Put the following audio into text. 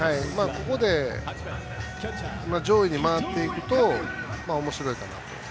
ここで上位に回っていくとおもしろいかなと。